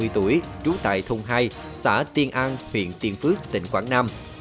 ba mươi tuổi trú tại thùng hai xã tiên an huyện tiên phước tỉnh quảng nam